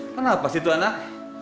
kenapa sih itu anak